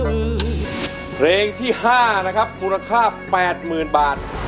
คือเพลงที่๕นะครับมูลค่า๘๐๐๐บาท